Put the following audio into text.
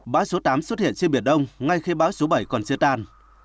báo số tám xuất hiện trên biển đông ngay khi báo số bảy còn chưa tan